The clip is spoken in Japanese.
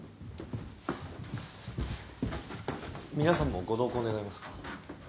皆さんもご同行願えますか。